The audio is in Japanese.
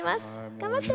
頑張ってね！